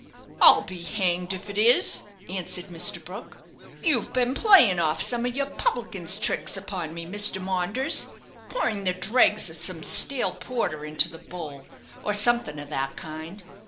"I'll be hanged if it is," answered Mr. Brook; "you've been playing off some of your publican's tricks upon me, Mr. Maunders, pouring the dregs of some stale porter into the bowl, or something of that kind.